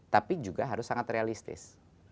tapi juga harus sangat realistis